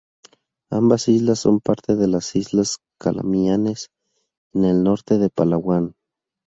Ambas islas son parte de las islas Calamianes en el norte de Palawan.